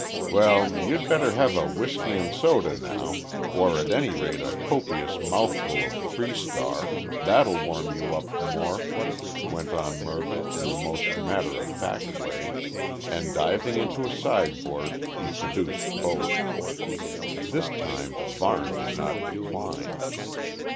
"Well, you'd better have a whisky and soda now, or at any rate a copious mouthful of three star that'll warm you up more," went on Mervyn in the most matter of fact way, and diving into a sideboard he produced both. This time Varne did not decline.